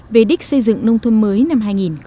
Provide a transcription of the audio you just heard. về đích xây dựng nông thôn mới năm hai nghìn một mươi tám